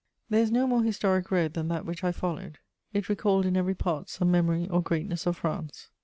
There is no more historic road than that which I followed; it recalled in every part some memory or greatness of France.